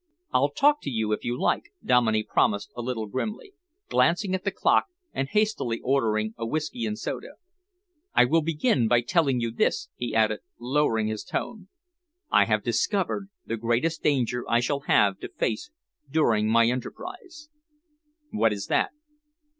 "I'll talk to you if you like," Dominey promised a little grimly, glancing at the clock and hastily ordering a whisky and soda. "I will begin by telling you this," he added, lowering his tone. "I have discovered the greatest danger I shall have to face during my enterprise." "What is that?"